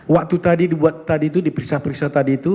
waktu tadi dibuat tadi itu diperiksa periksa tadi itu